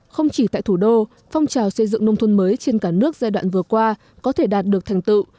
không chỉ tại thủ đô phong trào xây dựng nông thôn mới trên cả nước giai đoạn vừa qua có thể đạt được thành tựu